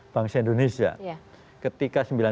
bangsa indonesia ketika